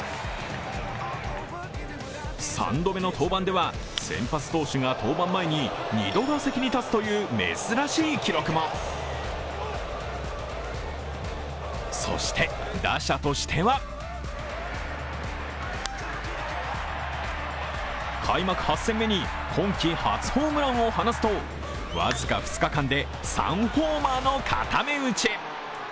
３度目の登板では先発投手が登板前に２度打席に立つという珍しい記録もそして打者としては開幕８戦目に今季初ホームランを放つと僅か２日間で３ホーマーの固め打ち。